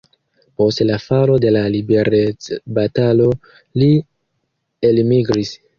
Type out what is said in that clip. Post la falo de la liberecbatalo li elmigris.